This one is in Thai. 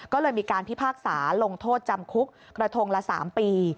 ก็เลยมีการพิพากษาลงโทษจำคุกกระทงละ๓ปี